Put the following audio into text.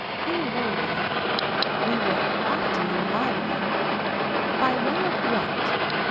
Who were we. We were often enlivening. By way of what.